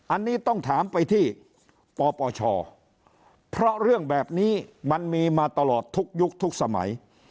อันนี้ต้องถามไปที่ปปชเพราะเรื่องแบบนี้มันมีมาตลอดทุกยุคทุกสมัย